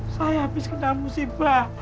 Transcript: saya habis kena musibah